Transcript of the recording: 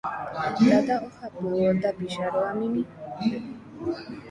Tata ohapývo tapicha rogamimi